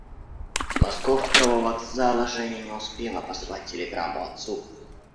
С московского вокзала Женя не успела послать телеграмму отцу.